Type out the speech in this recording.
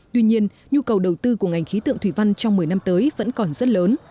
tuy nhiên nhu cầu đầu tư của ngành khí tượng thủy văn trong một mươi năm tới vẫn còn rất lớn